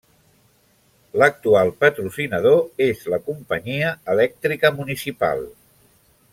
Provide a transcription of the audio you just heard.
L'actual patrocinador és la Companyia Elèctrica Municipal.